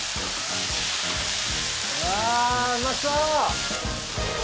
うわうまそう！